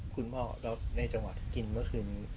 คุณพ่อแล้วในจังหวะกินเมื่อคืนนี้